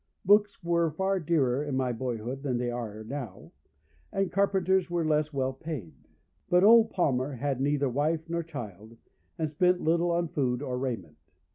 Books were far dearer in my boyhood than they are now, and carpenters were less well paid, but old Palmer had neither wife nor child, and spent little on food or raiment.